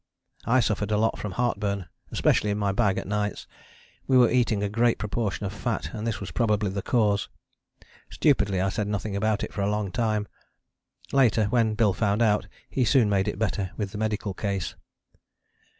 I suffered a lot from heartburn especially in my bag at nights: we were eating a great proportion of fat and this was probably the cause. Stupidly I said nothing about it for a long time. Later when Bill found out, he soon made it better with the medical case.